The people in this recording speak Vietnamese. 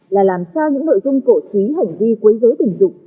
là làm sao những nội dung cổ suý hành vi quấy dối tình dục